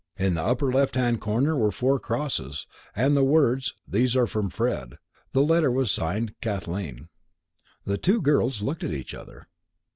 In the upper left hand corner were four crosses, and the words 'These are from Fred.' The letter was signed 'Kathleen.'" The two girls looked at each other.